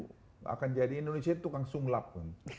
tidak akan jadi indonesia tukang sunglap